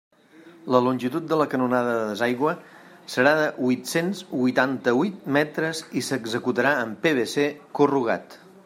La longitud de la canonada de desaigüe serà de huit-cents huitanta-huit metres i s'executarà amb PVC corrugat.